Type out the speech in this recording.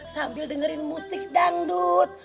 sambil dengerin musik dangdut